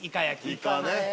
イカね。